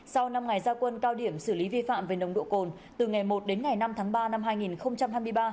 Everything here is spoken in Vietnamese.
sau năm ngày gia quân cao điểm xử lý vi phạm về nồng độ cồn từ ngày một đến ngày năm tháng ba năm hai nghìn hai mươi ba